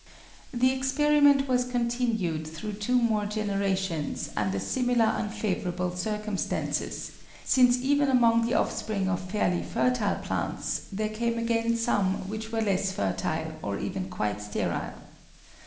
The experiment was continued through two more generations under similar unfavorable circumstances, since even among the offspring of fairly fertile plants there came again some which were less fertile or even quite sterile.